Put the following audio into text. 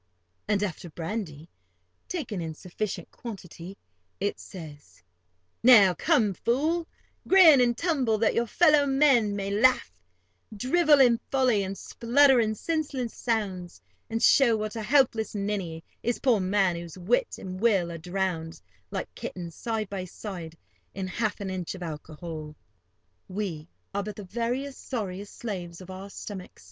And after brandy, taken in sufficient quantity, it says, "Now, come, fool, grin and tumble, that your fellow men may laugh—drivel in folly, and splutter in senseless sounds, and show what a helpless ninny is poor man whose wit and will are drowned, like kittens, side by side, in half an inch of alcohol." We are but the veriest, sorriest slaves of our stomach.